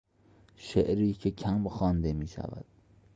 شعری که کم خوانده میشود